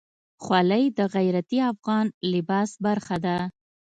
خولۍ د غیرتي افغان لباس برخه ده.